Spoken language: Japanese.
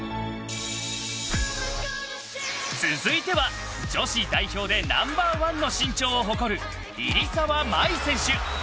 続いては、女子代表でナンバー１の身長を誇る入澤まい選手。